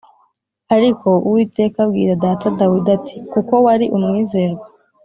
ariko Uwiteka abwira data Dawidi ati Kuko wari umwizerwa